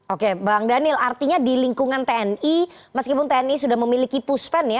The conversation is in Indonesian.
oke bang daniel artinya di lingkungan tni meskipun tni sudah memiliki puspen ya